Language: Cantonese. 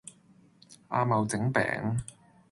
阿茂整餅